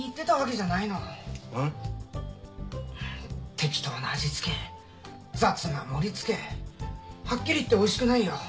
適当な味付け雑な盛りつけはっきり言っておいしくないよ。